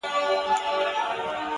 دا د افغان د لوی ټبر مېنه ده٫